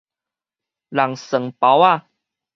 籠床包仔